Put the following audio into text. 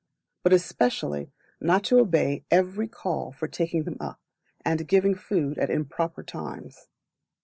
but especially not to obey every call for taking them up, and giving food at improper times.